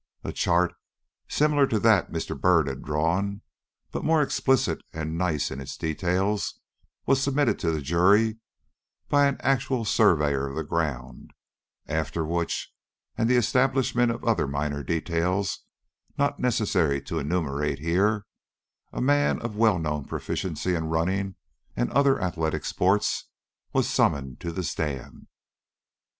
A chart similar to that Mr. Byrd had drawn, but more explicit and nice in its details, was submitted to the jury by an actual surveyor of the ground; after which, and the establishment of other minor details not necessary to enumerate here, a man of well known proficiency in running and other athletic sports, was summoned to the stand.